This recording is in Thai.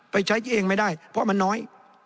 ไปใช้ที่เองไม่ได้เพราะมันน้อย